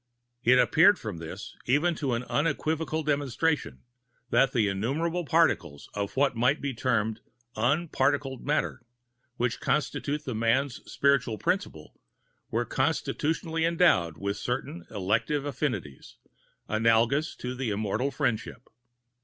It appeared from this, even to an unequivocal demonstration, that the innumerable particles of what might be termed unparticled matter which constitute the man's spiritual principle, are constitutionally endowed with certain elective affinities, analogous to an immortal friendship.